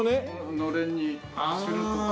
のれんにするとか。